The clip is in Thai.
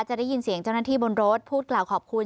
จะได้ยินเสียงเจ้าหน้าที่บนรถพูดกล่าวขอบคุณ